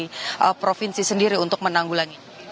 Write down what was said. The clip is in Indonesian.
dari provinsi sendiri untuk menanggulangi